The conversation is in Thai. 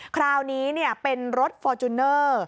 คราวนี้เนี่ยเป็นรถฟอร์จุนเนอร์